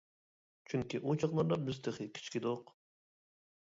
چۈنكى، ئۇ چاغلاردا بىز تېخى كىچىك ئىدۇق.